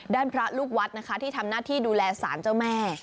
พระลูกวัดนะคะที่ทำหน้าที่ดูแลสารเจ้าแม่